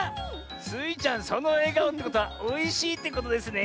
スイちゃんそのえがおってことはおいしいってことですね。